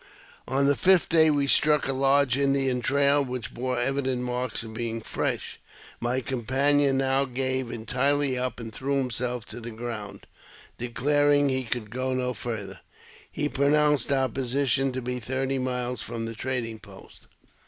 On the fifth day we struck a large Indian trail, which bore evident marks of being fresh. My companion now gave 44 AUTOBIOGBAPHY OF entirely up, and threw himself to the ground, declaring he could go no farther. He pronounced our position to be thirty miles from the trading post.